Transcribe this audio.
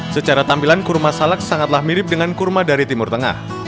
secara tampilan kurma salak sangatlah mirip dengan kurma dari timur tengah